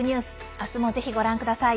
明日も、ぜひご覧ください。